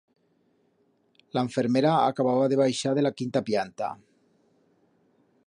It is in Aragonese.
La enfermera acababa de baixar de la quinta pllanta.